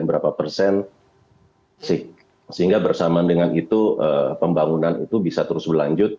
berapa persen sehingga bersamaan dengan itu pembangunan itu bisa terus berlanjut